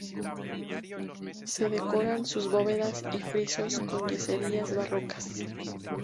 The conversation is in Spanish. Se decoran sus bóvedas y frisos con yeserías barrocas.